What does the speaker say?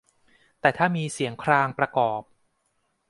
แต่ถ้ามีเสียงครางประกอบ